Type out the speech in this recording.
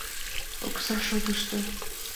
Окса шотышто.